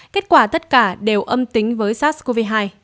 kết quả tất cả đều âm tính với sars cov hai